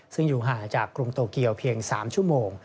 ซึ่งอยู่ห่างจากกรุงโตเกียวเพียง๓ชั่วโมง